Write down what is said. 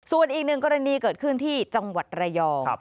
ส่วนอีกหนึ่งกรณีเกิดขึ้นที่จังหวัดระยอง